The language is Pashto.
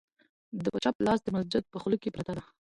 د په چپ لاس د مسجد په خوله کې پرته ده،